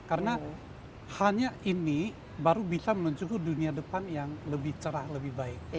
karena hanya ini baru bisa menunjukkan dunia depan yang lebih cerah lebih baik